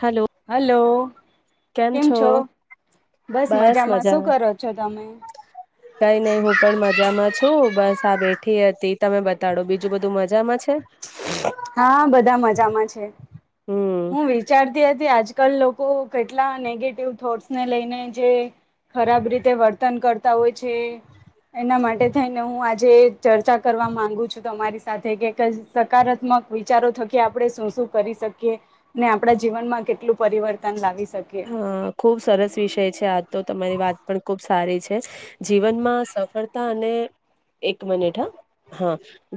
હાલો hello કેમ છો બસ મજામાં શું મજા કરો છો તમે કઈ નઈ હું પણ મજામાં છું બસ શા બેઠી હતી તમે બતાડો બીજું બધું મજામાં છે. હા બધા મજામાં છે. હમ હું વિચારતી હતી આજે. કલ લોકો કેટલા નેગેટિવ થોટ્સ ને લઈને જે ખરાબ રીતે વર્તન કરતા હોય છે એના માટે થઈને હું આજે ચર્ચા કરવા માંગુ છું તમારી સાથે કે સકારાત્મક વિચારો થકી આપણે શું શું કરી શકીએ ને આપણા જીવન માં કેટલું પરિવર્તન લાવી શકીએ હા ખુબ સરસ વિષય છે આ તો તમારી વાત પણ ખુબ સારી છે. જીવનમાં સફળતા અને એક મનીટ હ હા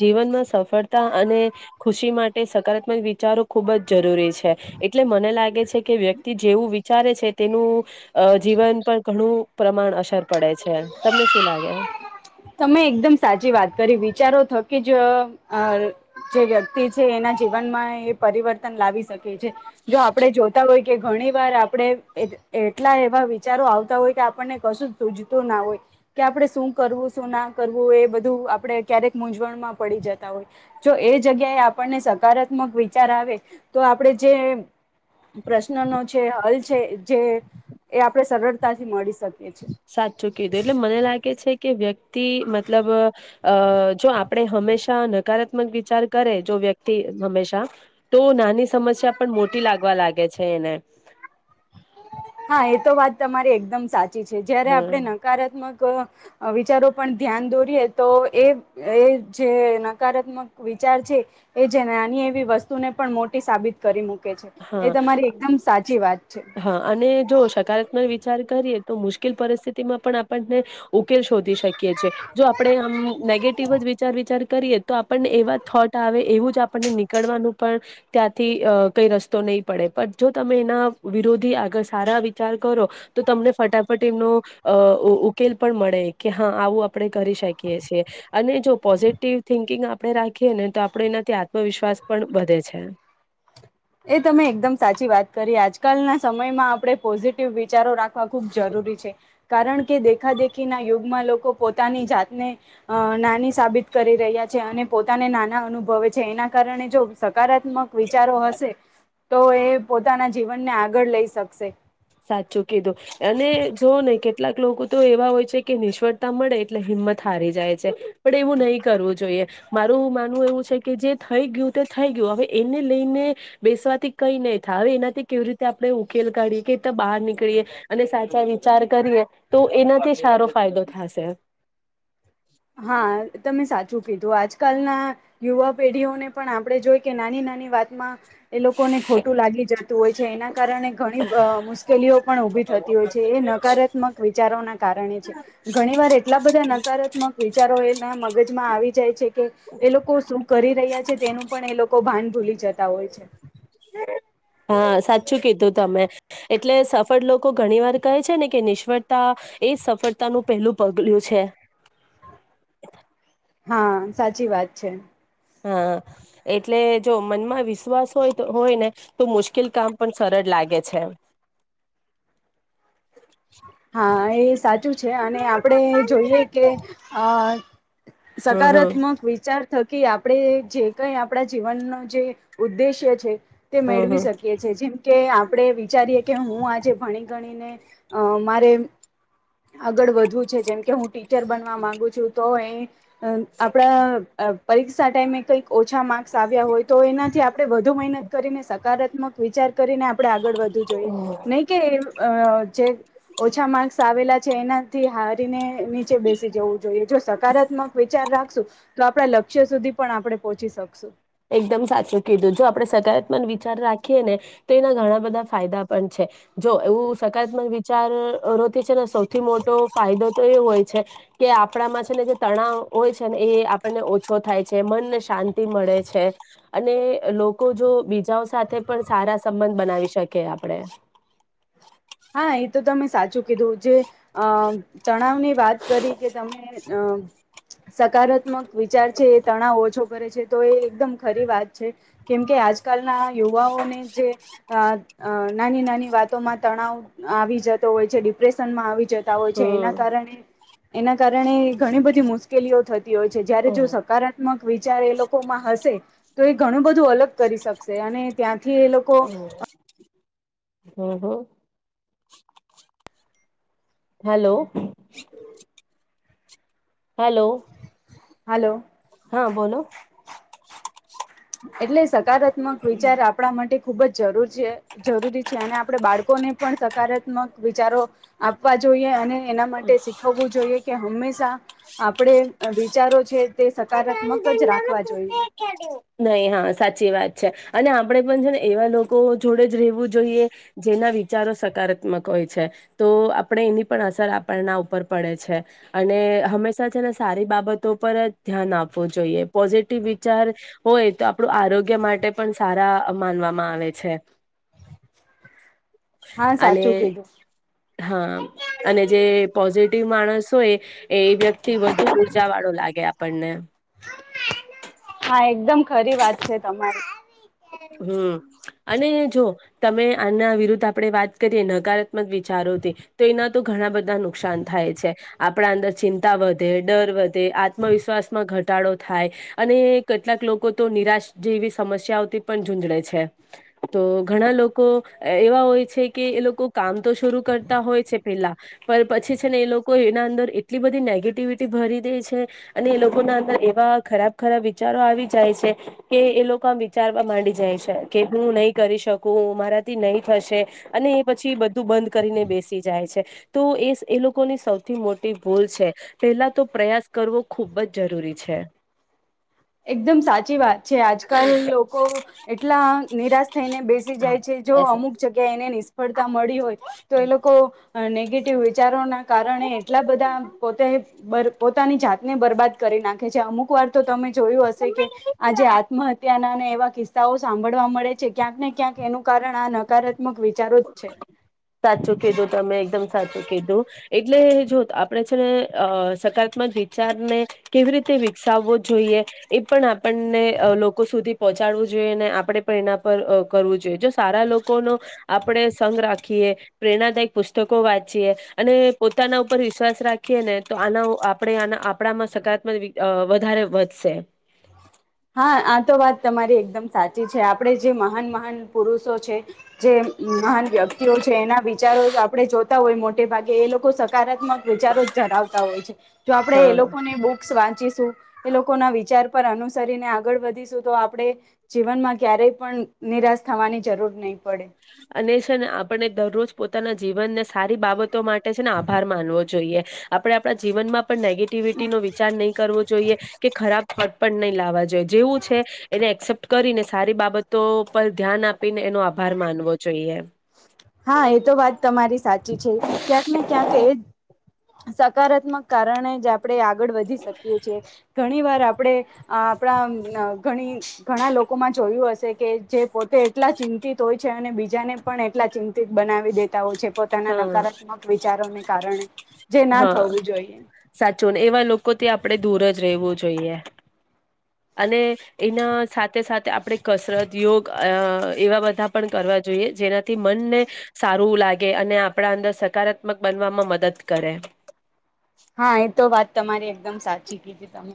જીવનમાં સફળતા અને ખુશી માટે સકારાત્મક વિચારો ખુબ જ જરૂરી છે એટલે મને કે વ્યક્તિ જેવું વિચારે છે તેનું અ જીવન પણ ઘણું પ્રમાણ અસર પડે છે તમને શું લાગે તમે એકદમ સાચી વાત કરી વિચારો થકી જ અ જે વ્યક્તિ છે એના જીવનમાં એ પરિવર્તન લાવી શ કે જે જો આપડે જોતા હોય કે ઘણી વાર આપડે. એટ એટલા એવા વિચારો આવ તા હોય કે આપણને કશું સુજતું ના હોય કે આપડે શું કરવું શું ના કરવું એ બધું આપડે ક્યારેક મૂંઝવણમાં પડી જતા હોય જો એ જગ્યાએ આપણને સકારાત્મક વિચાર આવે તો આપડે જે પ્રશ્નનનો છે હલ છે જે એ આપણે સરળતાથી મળી શક સાચું કીધું એટલે મને લાગે છે કે વ્ય તિ મતલબ અ જો આપણે હંમેશા નકારાત્મક વિચાર કરે જો વ્યક્તિ હંમેશા તો નાની સમસ્યા પણ મોટી લાગવા લાગે છે એને હા એ તો વાત તમારી એકદમ સા ચી છે જ્યારે હમ આપણે નકારાત્મક વિચારો પણ ધ્યાન દોરીએ તો એ જે નકારાત્મક વિચાર છે એ જે નાની એવી વસ્તુને પણ મોટી સાબિત કરી મૂકી. એ હા તમારી એકદમ સાચી વાત છે. હા અને જો સકારાત્મક વિચાર કરીએ તો મુશ્કેલ પરિસ્થિતિમાં પણ આપણને ઉકેલ શોધી શકીએી જો આપણે આમ નેગેટિવ જ વિચાર વિચાર કરીએ તો આપણને એવા થોટ આવે એવું જ આપણને નીકળવાનું પણ ત્યાંથી કઈ ર તો નહીં પડે પણ જો તમે એના વિરોધી આગળ સારા વિચાર કરો તો તમને ફટાફટ એમનો ઉકેલ પણ મળે કે હા આવું આપણે કરી શકીએ છીએ અને જો પોઝિટિવ થિંકિંગ આપણે રાખીએ ને તો આપણે એનાથી આત્મવિશ્વાસ પણ વધે છે. એ તમે એકદમ સાચી વાત કરી આજકાલના સમયમાં આપડણે પોઝિટિવ વિચારો રાખ. આ ખુબ જરૂરી છે. કારણ કે દેખાદેખીના યુગમાં લોકો પોતાની જાતને અ નાની સાબિત કરી રહ્યા છે અને પોતાને નાના અનુભવે છે એના કારણે જો. હકારાત્મક વિચારો હશે. તો એ પોતાના જીવનને આગળ લઈ શકશે સાચું કીધું અને જોવ ને કેટલાક લોકો તો એવા હોય છે કે નિષ્ફળતા મળે એટલે હિંમત હારી જાય છે. પણ એવું નહી કરવું જોઈએ. મારું માનવું એવું છે કે જે થઈ ગયું તે થઈ ગયું હવે એને લઈને બેસવાથી કઈ નહી થાય હવે એનાથી કેવી રીતે આપણે ઉકેલ કાઢીએ કે બહાર નીકળીએ અને સાચા વિચાર કરીએ તો એનાથી સારો ફાયદો થશે. હા તમે સાચું કીધું આજકાલના યુવા પેઢીઓને પણ આપણે જોઈ કે નાની નાની વાતમાં એ લોકોને ખોટું લાગી જતું હોય છે એના કારણે ઘણી મુશ્કેલીઓ પણ ઉઊભી થતી હોય છે એ નકારાત્મક વિચારોના કારણે છે ઘણી વાર એટલા બધા નકારાત્મક. વિચારો એના મગજમાં આવી જાય છે કે એ લોકો શું કરી રહ્યા છે તેનું પણ એ લોકો ભાન ભૂલી જતા હોય છે. હા સાચું કીધું તમે એટલે સફળ લોકો ઘણી વાર કહે છે ને કે નિષ્ફળતા એ સફળતાનું પહેલું પગલું છે. હા સાચી વાત છે. હા એટલે જો મનમાં વિશ્વાસ હોય હોય ને તો મુશ્કેલ કામ પણ સરળ લાગે છેમ હા એ સાચ. છે અને આપણે જોઈએ કે હમ હમ સકારાત્મક વિચાર થકી આપણે જે કંઈ આપણા જીવનનો જે ઉદ્દેશ્ય છે. તે મેળવી હમ શકીએ છે જેમકે આપણે વિચારીએ કે હું આજે ભણી ગણીને અમ. મારે આગળ વધુ છે જેમ કે કે હું ટીચર બનવા માંગુ છું તો એ એક. અ આપણા પરીક્ષ ટાઈમે કંઈક ઓછા માર્ક્સ આવ્યા હોય તો એનાથી આપણે વધુ મહેનત કરીને સકારાત્મક વિચાર કરીને આપણે આગળ વધવું જોઈએ હમ નહી કે અ જે ઓછા માર્ક્સ આવેલા છે એના થી હારીને. નીચે બેસી, જવું જોઈએ જો સકારાત્મક વિચાર રાખશું તો આપણા લક્ષ્ય સુધી પણ આપણે પોહોંચી શકશું. એકદમ સાચું, કીધું જો આપણે સકારાત્મક વિચાર રાખીએ ને તો એના ઘણા બધા ફાયદા પણ છે, જો એવું, સકારાત્મક વિચાર [unintelligible] છેને, સૌથી મોટો ફાયદો તો એ હોય છે, કે આપણામાં છેને, જે તણાવ હોય છે, ને એ આપણને ઓછો થાય છે મનને શાંતિ મળે છે. અને લોકો જો બીજાઓ, સાથે પણ સારા સંબંધ બનાવી, શકે આપણેે. હા, એ તો તમે સાચું. કીધું, જે અ ચણાવની વાત કરી, કે તમે અ સકારાત્મક વિચાર છે, એ તણાવ ઓછો કરે છે. તો એ એકદમ ખરી વાત છે, કેમકે આજ આજકાલના, યુવાઓને જે નાની આ નાની વાતોમાં તણાવ આવી જતો હોય, છે ડિપ્રેશનમા આવી જતો હોય છે, એના હમ કારણે. એના કારણે ઘણી, બધી મુશ્કેલીઓ થતી. હોય છે, જયારે હમ જો સકારાત્મક વિચાર એ લોકોમાં હશે, તો એક ઘણું બધું અલગ કરી શકશે, અને ત્યાંથી એ લોકો હમ્મ હ હેલો. [inaudible] હલો. હાલો. હા, બોલો. એટલે સ હકારાત્મક વિચાર, આપણા માટે ખૂબજ જરૂર છે, જરૂરી છે, અને આપણે બાળકોને પણ સકારાત્મક વિચારો આપવા જોઈએ, અને. એના માટે શીખવવું જોઈએ, કે હંમેશા આપડે, વિચારો છે. તે સકારાત્મક જ રાખવા જોઈએ નહી, હા. સાચી વાત છે, અને આપણે પણ છે ને એવા લોકો જોડે જ રહેવું જોઈએ, જેના વિચારો સકારાત્મક હોય છે તો આપણે એની પણ અસર આપણના ઉપર પડે છે, અને હંમેશા છેને સારી બાબતો પર જ ધ્યાન આપવું જોઈએ પોઝિટિવ વિચાર હોય, તો આપણું આરોગ્ય માટે પણ સારા માનવામાં આવે છે. હા, અને સાચું કીધું. હા, અને જે પોઝિટિવ માણસ હોય, એ એ વ્યક્તિ વધુ ઉર્જા વાળો લાગે આપ પને. હા એકદમ ખરી વાત છે, તમારી. હમ્મ. અને જો તમે આના વિરુદ્ધ આપણેે વાત કરીએ નકારાત્મક વિચારોથી, તો એના તો ઘણા બધા નુકસાન થાય છે, આપણા અંદર ચિંતા વધે ડર વધે તે આત્મવિશ્વાસમા ઘટ. ઉટાડો થાય, અને કેટલાક લોકો, તો નિરાશ જેવી સમસ્યાઓથી પણ ઝૂઝડે છે, તો ઘણા લોકો એવા હોય છે, કે એ લોકો કામ તો શરૂ કરતા હોય છે, પેલા, પણ પછી, છે ને, એ લોકો એના અંદર એટલી બધી નેગેટિવિટી ભરી દે છે, અને એ લોકોના અંદર એવા ખરાબ-ખરાબ વિચારો આવી જાય છે, કે એ લોકો વિચાર માંડી જાય છે કે, હું નહીં કરી શકું, મારાથી નહીં થશે, અને એ પછી બધું બંધ કરીને બેસી જાય છે, તો એ, એ લોકોની સૌથી મોટી ભૂલ છે, પેલા તો પ્રયાસ કરવો ખૂબજ જરૂરી છે. એકદમ સાચી વાત છે, આજકાલ લો કો એટલા નિરાશ થઈને, બેસી હા જાય છે. જો એસ અમુક જગ્યા, એને સફળતા મળી હોય, તો એ લોકો નેગેટિવ વિચારોના, કારણે એટલા બધા પોતે પોતાની, જાતને બરબાદ કરી નાખે છે. અમુક વાર તો તમે જોયું હશે, કે આજે આત્મહત્યા ના એવા કિસ્સાઓ સાંભળવા મળે છે, ક્યાંક ને ક્યાંક, એનું કારણ આ નકાર સાચુ કીધું તમે, એકદમ સાચું કીધું. એટલે જો આપણે છેને અ સકારાત્મક વિચારને કેવી રીતે વિકસાવવો જોઈએ, એ પણ આપણને લોકો સુધી પહોંચાડવું જોઈએ, અને આપણે પણ એના પર કરવું જોઈએ, જો સારા લોકોનો આપણે સઘ રાખીએ, પ્રેરણાદાયક પુસ્તકો વાંચીએ, અને પોતાના ઉપર વિશ્વાસ રાખીએ ને, તો આના આપણે આપણામા સકારાત્મક, વધારે વધશે. હા, આ તો વાત તમારી એકદમ સાચી છે, આપડે જે મહાન- મહાન પુરુષો છે. જે મહાન વ્યક્તિઓ છે, એના વિચારો આપણે જોતા, હોય મોટે ભાગે એ લોકો સકારાત્મક વિચારો ધરાવતા હોય છે, જો આપડે હા એ લોકોને બુક્સ વા એ, લોકોના વિચાર પર અનુસરીને આગળ વધીશું, તો આપણે જીવનમા ક્યારેય પણ નિરાશ, થવાની જરૂર નહીં. પડે. અને ને આપણને દરરોજ પોતાના, જીવનને સારી, બાબત તો માટે છેને, આભાર માનવો જોઈએ. આપણે, આપણા જીવનમા નેગેટિવિટી નો વિચાર નહીં, કરવો જોઈએ કે ખરાબ પણ નહીં લાવવા જોઈએ, જેવું છે એને એક્સેપ્ટ કરીને સારી બાબતો પર ધ્યાન આપ ને, એનો આભાર માનવો. જોઈએ. હા, એ તો વાત તમારી સા. ચી છે, ક્યાંક ને ક્યાંક એ સકારાત્મક કારણે જ આપ આપણેે આગળ, વધી શકીએ છીએ. ઘણી, વાર આપણે આપણા ઘણી ઘણા લોકોમા જોયું, હશે. કે જે, પોતે એટલા ચિંતિત, હોય છે, અને બીજાને પણ, એટલા ચિં. બનાવી દેતા હોય છે, પોતાના હા નકારાત્મક વિચારોને કારણે જે ના હા, થવું જોઈએ સાચુંને એવા લોકો, ત આપણેે દૂર જ ર વું જોઈએ. અને એના, સાથે સાથે આપણે કસરત, યોગ એવા બધા પણ કરવા જોઈએ, જેનાથી મનને સારું લાગે અને આપણા, અંદર સકારાત્મક બનવામા મદદ કરે. હા, એ તો વાત. તમારી એકદમ સાચી, કીધ તમે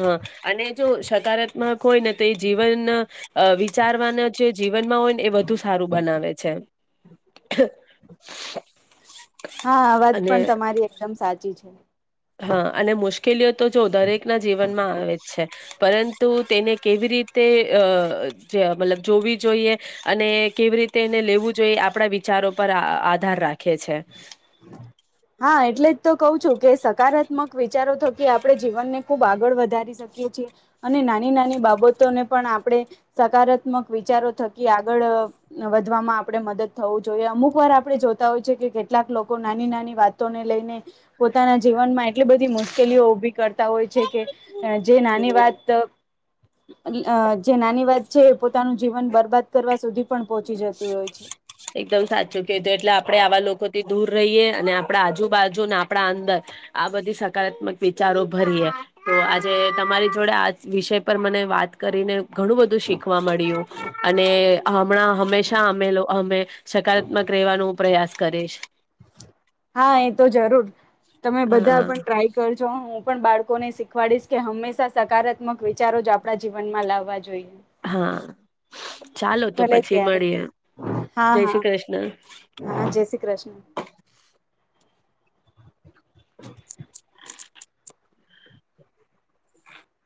હા અને જો સકારાત્મક હોય, ને તો એ જીવન વિચારવાના જે જીવનમા હોય, ને એ વધુ સારું બનાવે છે. હા, આ વાત અને પણ તમારી એકદમ સાચી છે. હા, અને મુશ્કેલીઓ તો જો દરેકના જીવનમાં આવે જ છે, પરંતુ તેને કેવી રીતે. તે આ મતલબ જોવી, જોઈએ અને કેવી રીતે, એને લેવું જોઈએ આપ આપણા વિચારો, પર આધાર રાખે છે હા, એટલે જ તો કવ છું. કે સકારાત્મક વિચારો થકી આપણે જીવનને ખૂબ આગળ વધારી શકીએ છીએ અને નાની નાની બાબતોને પણ આપણે સકારાત્મક વિચારો થકી આગળ વધવામાં આપણે મદદ થવું જોઈએ અમુક વાર આપણે જોતા હોય છે કે કેટલાક લોકો, નાની નાની વાતોને લઈને પોતાના જીવનમા એટલી બધી મુશ્કેલીઓ ઉઊભી કરતા હોય, છે કે જે નાની હમ વાત આ. જે નાની વાત છે, એ પોતાનું જીવન બરબાદ કરવા સુધી પણ પહોંચી જતું, હોય છે. એકદમ સાચું ક હતું, એટલે આપણે આવા લોકોથી દૂર રહીએ અને આપણા આજુબાજુને આપણા અંદર, આ બધી સકારાત્મક વિચારો ભરીએ, તો આજે તમારી જોડે આ વિષય પર મને વાત કરીને ઘણું બધું શીખવા મળ્યું, અને હમણા હંમેશા, અમેલો. અમે સકારાત્મક, રહેવાનું હું, પ્રયાસ કરીશ. હા, એ તો જરૂર તમે બધા હા પણ ટ્રાય કરજો પણ બાળકોને શીખવાડીશ કે હંમેશા, સકારાત્મક વિચારો જ આપણા જીવનમા લાવવા જોઈએ. હા, ચાલો તો ભલે પછી ત્યારે મળીએ, હા જય હા શ્રી કૃષ્ણ. હા જય શ્રી કૃષ્ણ [inaudible]